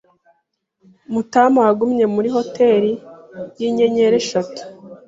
Matamawagumye muri hoteri yinyenyeri eshatu.